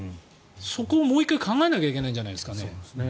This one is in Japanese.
そこをもう一回考えなきゃいけないんじゃないですかね。